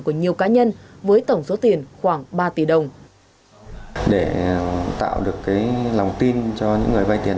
của nhiều cá nhân với tổng số tiền khoảng ba tỷ đồng để tạo được lòng tin cho những người vay tiền